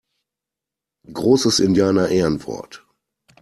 Großes Indianerehrenwort!